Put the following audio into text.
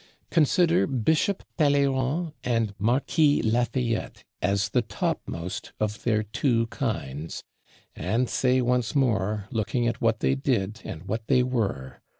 Consider Bishop Talleyrand and Marquis Lafayette as the topmost of their two kinds; and say once more, looking at what they did and what they were.